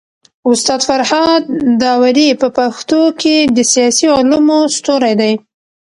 استاد فرهاد داوري په پښتو کي د سياسي علومو ستوری دی.